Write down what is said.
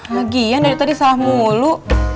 bagian dari tadi salah mulu